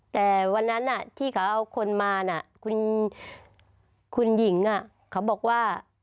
แต่วันนั้นที่เขาเอาคนมาคุณหญิงเขาบอกว่า